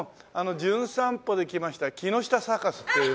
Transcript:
『じゅん散歩』で来ました木下サーカスっていう。